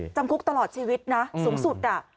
จำคุกตลอดชีวิตนะสูงสุด